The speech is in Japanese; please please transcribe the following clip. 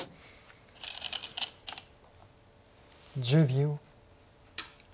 １０秒。